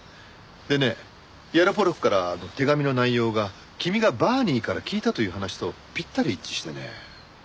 でねヤロポロクからの手紙の内容が君がバーニーから聞いたという話とぴったり一致してね。